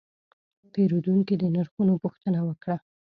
پیرودونکی د نرخونو پوښتنه وکړه.